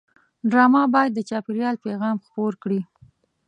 ډرامه باید د چاپېریال پیغام خپور کړي